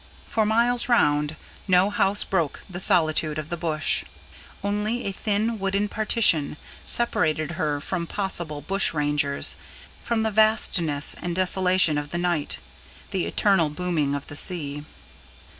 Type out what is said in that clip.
For miles round, no house broke the solitude of the bush; only a thin wooden partition separated her from possible bushrangers, from the vastness and desolation of the night, the eternal booming of the sea.